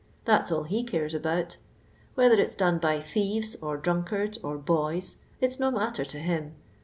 Th.at's all he ciires about. Whether it's done by thieves, or drunkards, or boy:». it *s no matter to him.